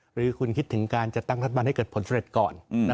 หรือคุณคิดถึงการจัดตั้งรัฐบาลให้เกิดผลสำเร็จก่อน